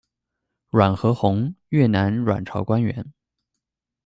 阮何宏，越南阮朝官员。